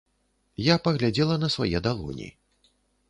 Я паглядзела на свае далоні.